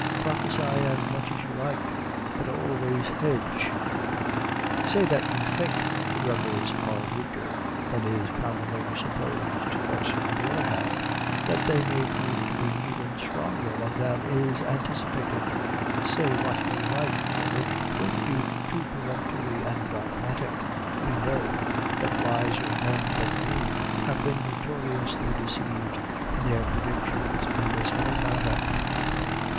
Prophesy as much as you like, but always hedge. Say that you think the rebels are weaker than is commonly supposed, but, on the other hand, that they may prove to be even stronger than is anticipated. Say what you like, only don't be too peremptory and dogmatic; we know that wiser men than you have been notoriously deceived in their predictions in this very matter.